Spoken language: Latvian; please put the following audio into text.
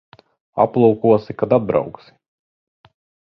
Aplūkosi, kad atbrauksi.